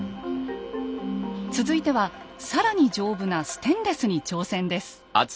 続いては更に丈夫なステンレスに挑戦です。